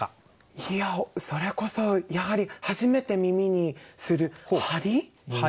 いやそれこそやはり初めて耳にする「玻璃」？